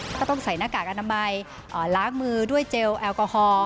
ก็ต้องใส่หน้ากากอนามัยล้างมือด้วยเจลแอลกอฮอล์